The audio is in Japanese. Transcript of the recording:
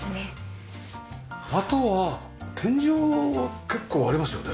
あとは天井結構ありますよね。